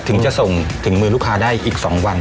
ถึงจะส่งถึงมือลูกค้าได้อีก๒วัน